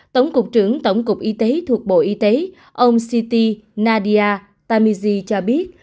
tổng cục trưởng tổng cục y tế thuộc bộ y tế ông siti nadia tamizi cho biết